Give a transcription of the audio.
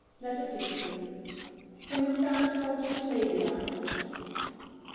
B. LETTER LX _From Miss Darnford to Lady Darnford.